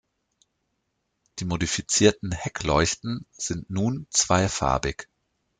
Die modifizierten Heckleuchten sind nun zweifarbig.